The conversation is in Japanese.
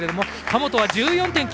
神本は１４．９００。